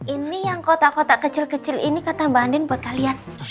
ini yang kotak kotak kecil kecil ini kata mbak andin buat kalian